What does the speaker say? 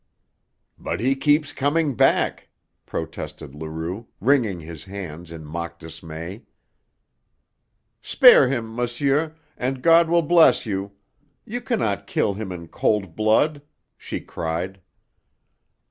"But he keeps coming back," protested Leroux, wringing his hands in mock dismay. "Spare him, monsieur, and God will bless you! You cannot kill him in cold blood," she cried.